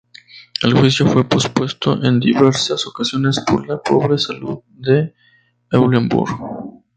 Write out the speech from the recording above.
El juicio fue pospuesto en diversas ocasiones por la pobre salud de Eulenburg.